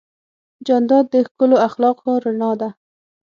جانداد د ښکلو اخلاقو رڼا ده.